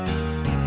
yang lama sudah out